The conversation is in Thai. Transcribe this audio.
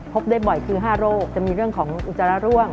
พบได้บ่อยคือ๕โรคจะมีเรื่องของอุจจาระร่วง